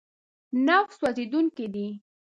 نفت سوځېدونکی دی.